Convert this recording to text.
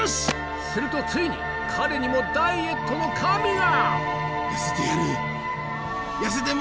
するとついに彼にもダイエットの神が！